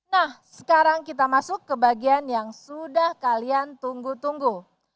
nah sekarang kita masuk ke bagian yang sudah kalian tunggu tunggu